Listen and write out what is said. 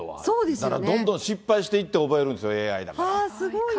だから、どんどん失敗していって覚えるんですよ、ＡＩだから。